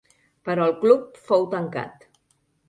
Però el club fou tancat.